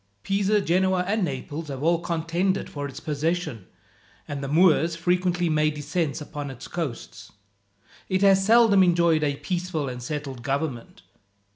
Pisa, Genoa, and Naples have all contended for its possession; and the Moors frequently make descents upon its coasts. It has seldom enjoyed a peaceful and settled government.